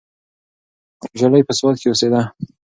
نجلۍ په سوات کې اوسیده.